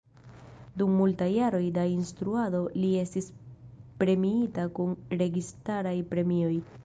Dum multaj jaroj da instruado li estis premiita kun registaraj premioj.